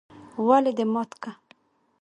ولې دي مات که؟؟